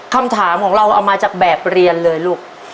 คำถามของเราเอามาจากแบบเรียนเลยลูก